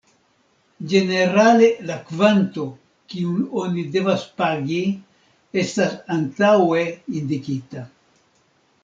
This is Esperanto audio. Ĝenerale la kvanto, kiun oni devas pagi estas antaŭe indikita.